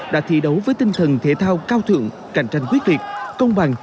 đã thi đấu với tinh thần thể thao cao thượng cạnh tranh quyết liệt công bằng